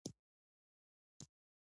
تورم د پیسو ارزښت کموي.